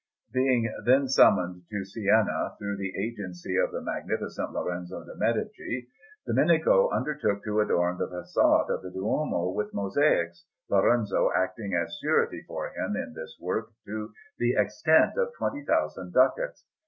Being then summoned to Siena through the agency of the Magnificent Lorenzo de' Medici, Domenico undertook to adorn the façade of the Duomo with mosaics, Lorenzo acting as surety for him in this work to the extent of 20,000 ducats.